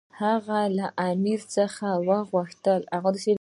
هغه له امیر څخه وغوښتل.